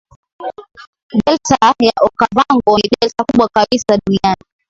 Delta ya Okavango ni delta kubwa kabisa duniani